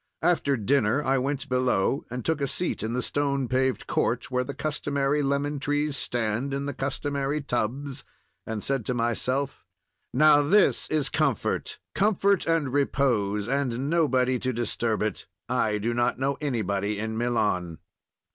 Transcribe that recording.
After dinner I went below and took a seat in the stone paved court, where the customary lemon trees stand in the customary tubs, and said to myself, "Now this is comfort, comfort and repose, and nobody to disturb it; I do not know anybody in Milan."